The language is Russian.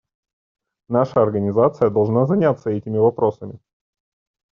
Наша Организация должна заняться этими вопросами.